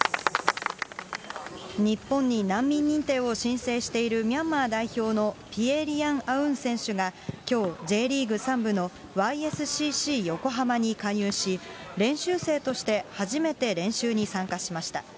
日本に難民認定を申請しているミャンマー代表のピエ・リアン・アウン選手が、きょう、Ｊリーグ３部のＹＳＣＣ横浜に加入し、練習生として初めて練習に参加しました。